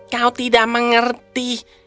kau tidak mengerti